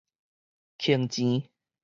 窮錢